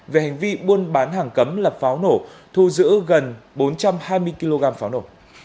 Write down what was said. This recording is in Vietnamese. về hành vi buôn bán hàng cấm lập pháo nổ thu giữ gần bốn trăm hai mươi kg pháo nổ